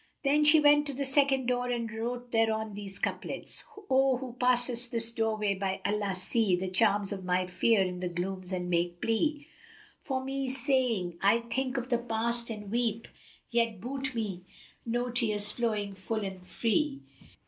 Then she went to the second door and wrote thereon these couplets, "O who passest this doorway, by Allah, see * The charms of my fere in the glooms and make plea For me, saying, 'I think of the Past and weep * Yet boot me no tears flowing full and free.'